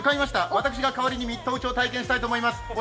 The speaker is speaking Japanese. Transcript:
私が代わりにミット打ちを体験したいと思います。